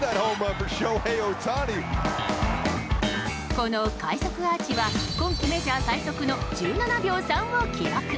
この快足アーチは今季メジャー最速の１７秒３を記録。